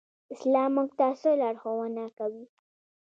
اسلام موږ ته څه لارښوونه کوي؟